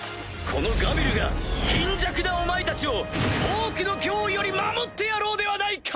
このガビルが貧弱なお前たちをオークの脅威より守ってやろうではないか！